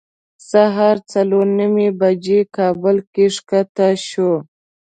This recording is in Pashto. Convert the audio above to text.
سهار څلور نیمې بجې کابل کې ښکته شوو.